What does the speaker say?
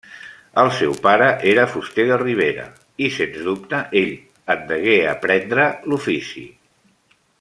El seu pare era fuster de ribera i, sens dubte, ell en degué aprendre l'ofici.